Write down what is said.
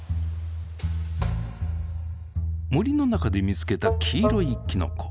森の中で見つけた黄色いきのこ。